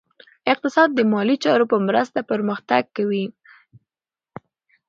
اقتصاد د مالي چارو په مرسته پرمختګ کوي.